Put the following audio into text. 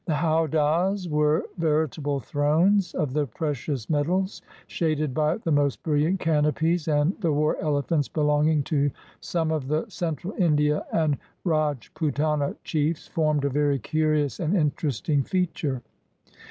The howdahs were veri table thrones of the precious metals, shaded by the most brilliant canopies, and the war elephants belonging to some of the Central India and Rajputana chiefs formed a very curious and interesting feature.